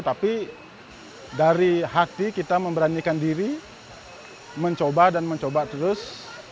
tapi dari hati kita memberanikan diri mencoba dan mencoba terus